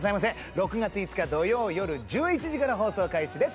６月５日土曜よる１１時から放送開始です。